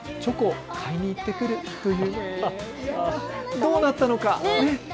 どうなったのか。